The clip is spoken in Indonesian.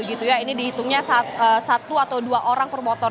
ini dihitungnya satu atau dua orang per motor